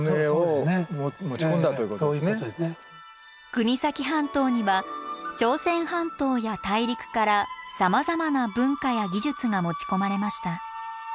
国東半島には朝鮮半島や大陸からさまざまな文化や技術が持ち込まれました。